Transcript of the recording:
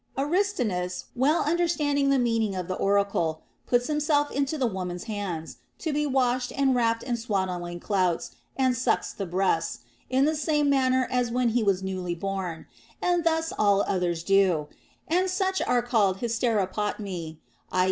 Aristinus, well understanding the meaning of the oracle, puts himself into the women's hands, to be washed and wrapped in swaddling clouts, and sucks the breasts, in the same manner as when he was newly born ; and thus all others do, and such are called Hysteropotmi (i.